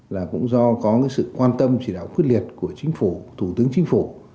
là cũng do có cái sự quan tâm chỉ đạo quyết liệt của chính phủ thủ tướng chính phủ